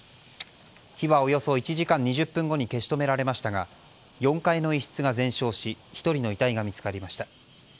火は、およそ１時間２０分後に消し止められましたが４階の一室が全焼し１人の遺体が見つかりました。